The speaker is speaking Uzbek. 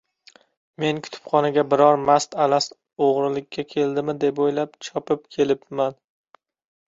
— Men, kutubxonaga biror mast-alast o‘g‘irlikka keldimi deb o‘ylab, chopib kelibman.